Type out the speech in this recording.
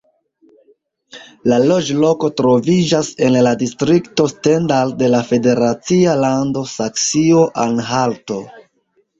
La loĝloko troviĝas en la distrikto Stendal de la federacia lando Saksio-Anhalto.